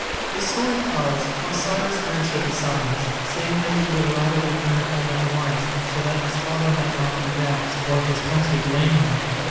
The story tells how Cyrus answered the summons, saying he would rather return home at once so that his father might not be vexed or his country blame him.